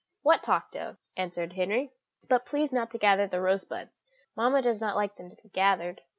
"What talked of?" answered Henry. "But please not to gather the rose buds; mamma does not like them to be gathered."